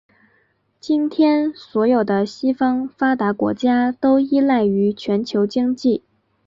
今天所有的西方发达国家都依赖于全球经济。